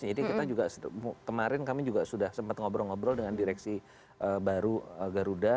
jadi kita juga kemarin kami juga sudah sempat ngobrol ngobrol dengan direksi baru garuda